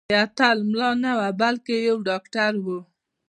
دا اتل ملا نه و بلکې یو ډاکټر و.